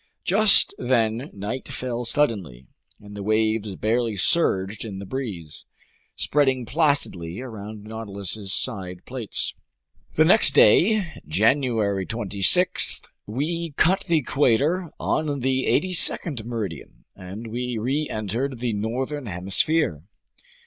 Just then night fell suddenly, and the waves barely surged in the breeze, spreading placidly around the Nautilus's side plates. The next day, January 26, we cut the equator on the 82nd meridian and we reentered the northern hemisphere.